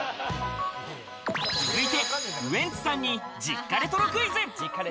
続いてウエンツさんに実家レトロクイズ。